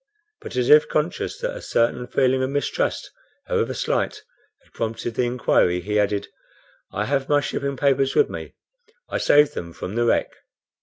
But as if conscious that a certain feeling of mistrust, however slight, had prompted the inquiry, he added, "I have my shipping papers with me; I saved them from the wreck."